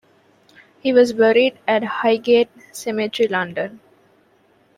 He was buried at Highgate Cemetery, London.